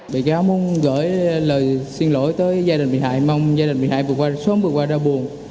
bị cáo muốn gửi lời xin lỗi tới gia đình bị hại mong gia đình bị hại vừa qua sớm vừa qua ra buồn